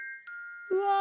うわ！